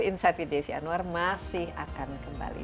insight with desi anwar masih akan kembali